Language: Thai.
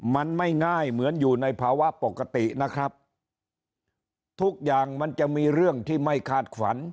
มันไม่ง่ายเหมือนอยู่ในภาวะปกตินะครับทุกอย่างมันจะมีเรื่องที่ไม่คาดฝัน